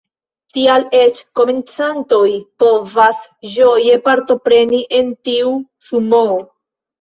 Tial eĉ komencantoj povas ĝoje partopreni en tiu Sumoo.